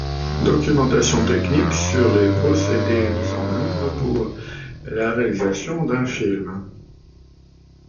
Documentation technique sur les procédés mis en œuvre pour la réalisation d'un film.